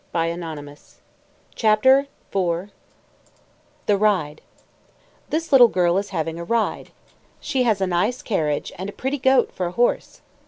THE RIDE. This little girl is having a ride. She has a nice carriage, and a pretty goat for a horse.